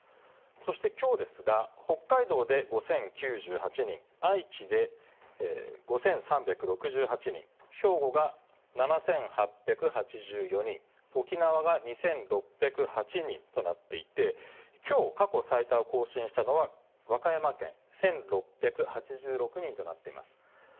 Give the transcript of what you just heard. そして、きょうですが、北海道で５０９８人、愛知で５３６８人、兵庫が７８８４人、沖縄が２６０８人となっていて、きょう、過去最多を更新したのは和歌山県、１６８６人となっています。